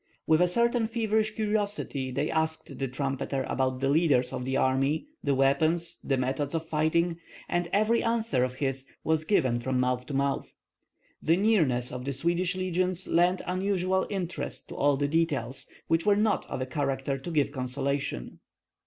With a certain feverish curiosity they asked the trumpeter about the leaders of the army, the weapons, the method of fighting; and every answer of his was given from mouth to mouth. The nearness of the Swedish legions lent unusual interest to all the details, which were not of a character to give consolation.